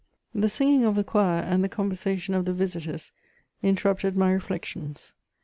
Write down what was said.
The singing of the choir and the conversation of the visitors interrupted my reflections.